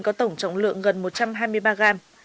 có tổng trọng lượng gần một trăm hai mươi ba gram